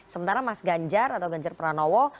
sementara mas ganjar atau ganjar pranowo